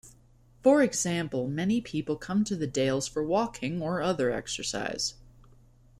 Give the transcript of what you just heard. For example, many people come to the Dales for walking or other exercise.